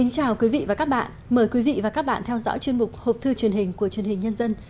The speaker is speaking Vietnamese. chào mừng quý vị đến với bộ phim hộp thư truyền hình của chuyên hình nhân dân